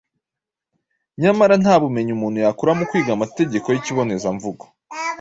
Nyamara nta bumenyi umuntu yakura mu kwiga amategeko y’ikibonezamvugo